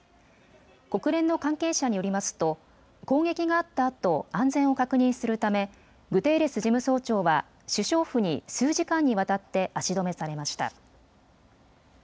国連の関係者によりますと攻撃があったあと安全を確認するためグテーレス事務総長は首相府に数時間にわたって足止めされました。